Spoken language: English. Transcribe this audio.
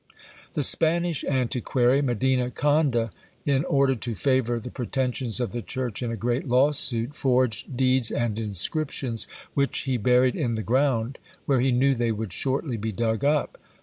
The Spanish antiquary, Medina Conde, in order to favour the pretensions of the church in a great lawsuit, forged deeds and inscriptions, which he buried in the ground, where he knew they would shortly be dug up.